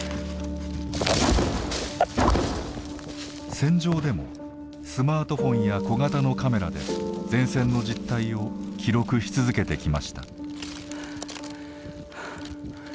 戦場でもスマートフォンや小型のカメラで前線の実態を記録し続けてきました。